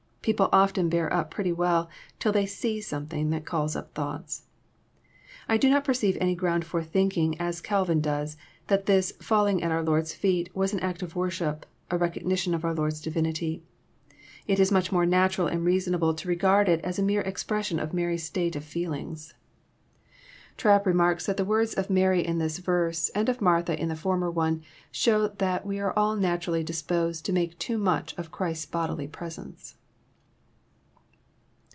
People often bear up pretty well, till they see something that calls up thoughts. I do not perceive any ground for thinking, as Calvin does, that this '' faUing at our Lord's feet " was an act of worship, a recognition of our Lord's divinity. It is much more natural and reasonable to regard it as the mere expression of Mary's state of feelings. 272 EXPOfirroBT thoughts. Trapp remarks that the words of Mary In this verse and of Martha in the former one show that we are all naturally dis posed to make too much of Christ's bodily presence.